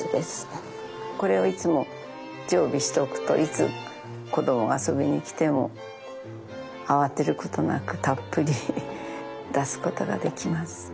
これをいつも常備しておくといつ子供が遊びに来ても慌てることなくたっぷり出すことができます。